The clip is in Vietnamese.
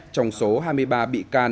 trong số hai mươi ba bị can